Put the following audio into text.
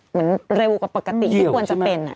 เหมือนเร็วกว่าปกติที่ควรจะเป็น